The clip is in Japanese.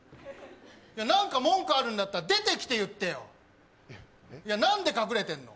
なんか文句あるんだったら出てきて言ってよいやなんで隠れてんの？